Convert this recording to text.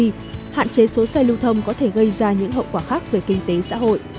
hạn chế số xe lưu thông có thể gây ra những hậu quả khác về kinh tế xã hội